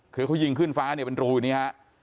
คือเขายิงขึ้นฟ้าเป็นรูนี้ฮะ